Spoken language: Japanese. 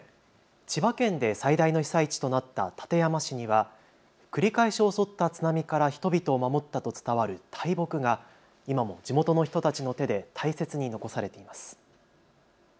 千葉県で最大の被災地となった館山市には繰り返し襲った津波から人々を守ったと伝わる大木が今も地元の人たちの手で大切に残されています。